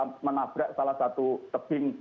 menabrak salah satu tebing